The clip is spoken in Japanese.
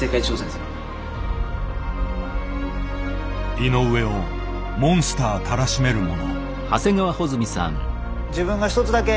井上をモンスターたらしめるもの。